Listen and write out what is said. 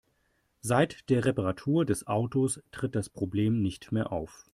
Seit der Reparatur des Autos tritt das Problem nicht mehr auf.